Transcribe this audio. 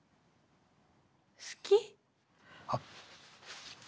好き？あっ。